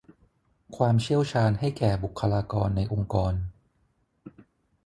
ความเชี่ยวชาญให้แก่บุคลากรในองค์กร